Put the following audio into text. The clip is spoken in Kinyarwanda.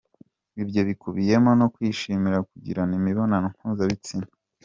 Ibyo bikubiyemo no kwishimira kugirana imibonano mpuzabitsina.